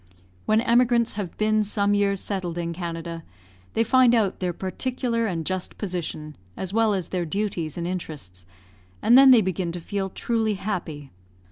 When emigrants have been some years settled in Canada, they find out their particular and just position, as well as their duties and interests, and then they begin to feel truly happy.